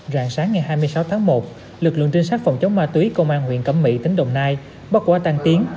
rạng sáng ngày hai mươi sáu tháng một lực lượng trinh sát phòng chống ma túy công an huyện cẩm mỹ tỉnh đồng nai bắt quả tăng tiến